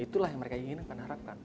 itulah yang mereka inginkan harapkan